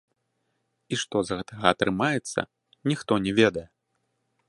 І што з гэтага атрымаецца, ніхто не ведае.